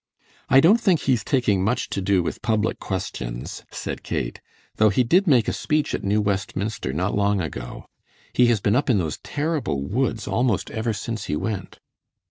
"I don't think he is taking much to do with public questions," said Kate, "though he did make a speech at New Westminster not long ago. He has been up in those terrible woods almost ever since he went."